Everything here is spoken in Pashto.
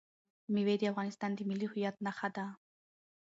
مېوې د افغانستان د ملي هویت نښه ده.